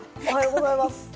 おはようございます。